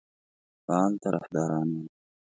فعال طرفداران ول.